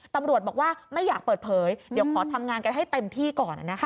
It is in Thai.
ตำรวจบอกว่าไม่อยากเปิดเผยเดี๋ยวขอทำงานกันให้เต็มที่ก่อน